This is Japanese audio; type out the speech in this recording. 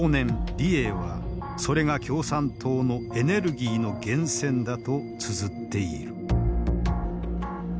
李鋭はそれが共産党のエネルギーの源泉だとつづっている。